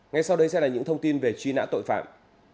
ngay sau đây sẽ là những thông tin về truy nã tội phạm